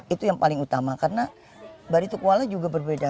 itu yang paling utama karena baritukwala juga berbeda